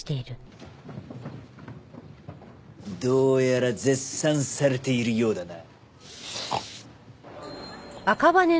どうやら絶賛されているようだな。